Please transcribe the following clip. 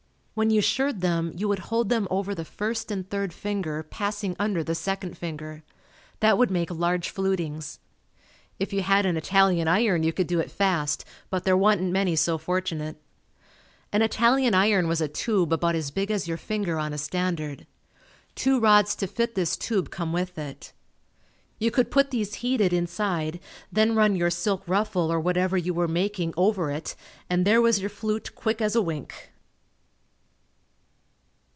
When you shirred them you would hold them over the first and third finger passing under the second finger. That would make large flutings. If you had an Italian iron you could do it fast, but there wa'n't many so fortunate. An Italian iron was a tube about as big as your finger on a standard. Two rods to fit this tube come with it. You could put these heated, inside then run your silk ruffle or whatever you were making over it and there was your flute quick as a wink.